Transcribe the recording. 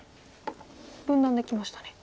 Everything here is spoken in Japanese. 分断できましたね。